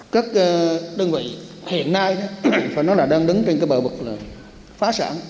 các đơn vị hiện nay đứng trên bờ bực phá sản